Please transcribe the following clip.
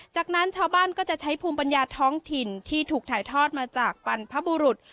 จากนั้นชาวบ้านก็จะใช้ภูมิปัญญาท้องถิ่นที่ถูกถ่ายทอดมาจากบรรพบุรุษ